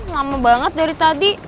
lama banget dari tadi